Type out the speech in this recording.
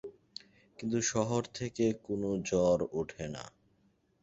কিন্তু শহর থেকে কোন ঝড় ওঠে না।